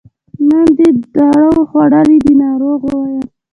نن دې دارو خوړلي دي ناروغ وویل.